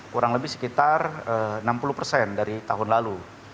kurang lebih sekitar enam puluh persen dari tahun lalu